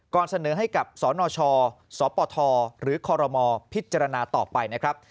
เสนอให้กับสนชสปทหรือคอรมอพิจารณาต่อไปนะครับ